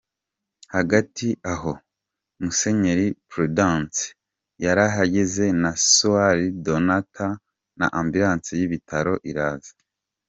Hagati aho Musenyeri Prudence yarahageze na Soeur Donata na ambulance y’ibitaro iraza.